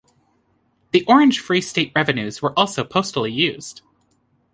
The Orange Free State revenues were also postally used.